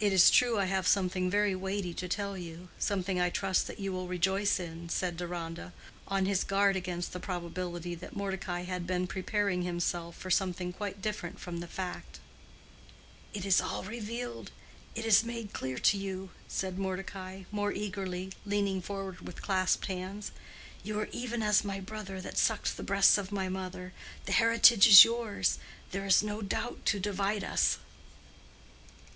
"It is true I have something very weighty to tell you—something I trust that you will rejoice in," said Deronda, on his guard against the probability that Mordecai had been preparing himself for something quite different from the fact. "It is all revealed—it is made clear to you," said Mordecai, more eagerly, leaning forward with clasped hands. "You are even as my brother that sucked the breasts of my mother—the heritage is yours—there is no doubt to divide us."